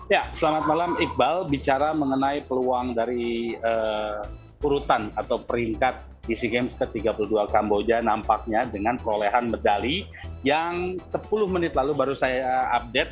ya selamat malam iqbal bicara mengenai peluang dari urutan atau peringkat di sea games ke tiga puluh dua kamboja nampaknya dengan perolehan medali yang sepuluh menit lalu baru saya update